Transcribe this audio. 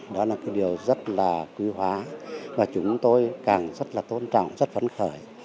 đó là điều rất là quý hoá và chúng tôi càng rất tôn trọng rất phấn khởi